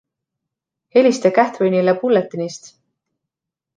Helista Katherine’ile Bulletinist!